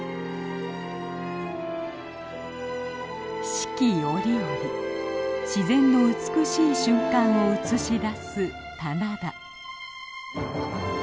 四季折々自然の美しい瞬間を映し出す棚田。